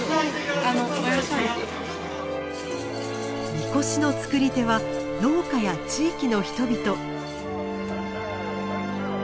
神輿の作り手は農家や地域の人々。